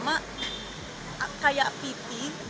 met inform jalan dipedal